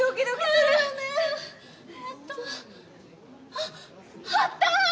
あっあった！